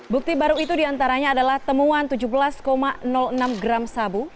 bukti baru itu diantaranya adalah temuan tujuh belas enam gram sabu